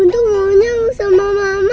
untuk maunya sama mama